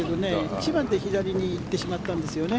１番で左に行ってしまったんですよね。